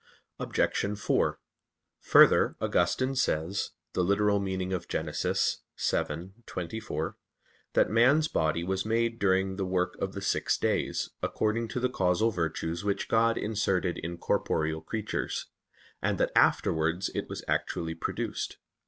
Obj. 4: Further, Augustine says (Gen. ad lit. vii, 24) that man's body was made during the work of the six days, according to the causal virtues which God inserted in corporeal creatures; and that afterwards it was actually produced.